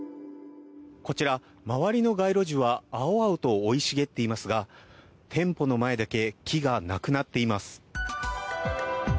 こちら、周りの街路樹は青々と生い茂っていますが店舗の前だけ木がなくなっています。